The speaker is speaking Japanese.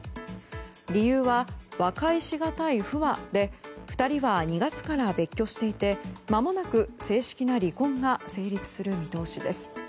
理由は和解しがたい不和で２人は２月から別居していてまもなく正式な離婚が成立する見通しです。